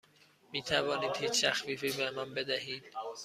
می توانید هیچ تخفیفی به من بدهید؟